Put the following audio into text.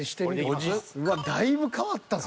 うわっだいぶ変わったぞ。